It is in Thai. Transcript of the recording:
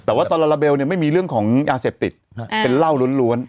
แต่ว่าตอนลาลาเบลไม่มีเรื่องของยาเสพติดเป็นเหล้าล้วน